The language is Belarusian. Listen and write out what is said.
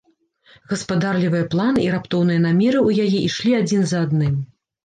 Гаспадарлівыя планы і раптоўныя намеры ў яе ішлі адзін за адным.